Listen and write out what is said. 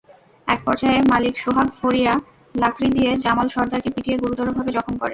একপর্যায়ে মালিক সোহাগ ফড়িয়া লাকড়ি দিয়ে জামাল সরদারকে পিটিয়ে গুরুতরভাবে জখম করেন।